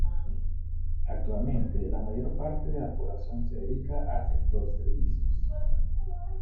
Actualmente la mayor parte de la población se dedica al sector servicios.